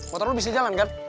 motor lo bisa jalan kan